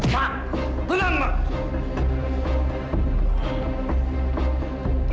mak tenang mak